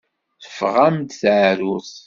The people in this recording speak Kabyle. Teffeɣ-am-d teεrurt.